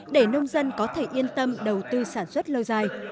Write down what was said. để nông dân có thể yên tâm đầu tư sản xuất lâu dài